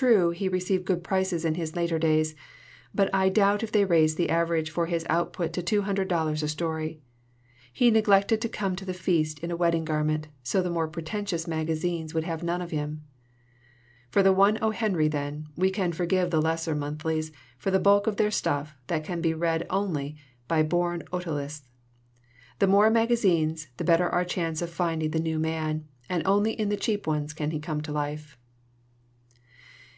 True, he received good prices in his later* days, but I doubt if they raised the average for his output to two hundred dollars a story. He neglected to come to the feast in a wedding garment, so the more pretentious magazines would have none of him. "For one O. Henry, then, we can forgive the lesser monthlies for the bulk of their stuff that can be read only by born otoliths. The more magazines, the better our chance of finding the new man, and only in the cheap ones can he come to life."